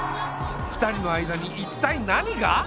２人の間に一体何が？